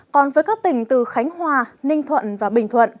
còn với các tỉnh từ khánh hòa ninh thuận và bình thuận